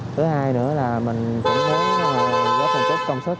thứ hai nữa là mình cũng muốn góp phần chút công sức